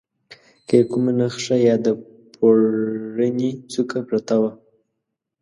که یې کومه نخښه یا د پوړني څوکه پرته وه.